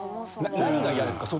何が嫌ですか？